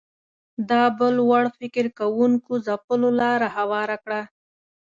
دا بل وړ فکر کوونکو ځپلو لاره هواره کړه